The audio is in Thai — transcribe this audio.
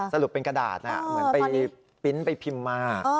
สรุปเป็นกระดาษเหมือนไปปิ๊นต์ไปพิมพ์มา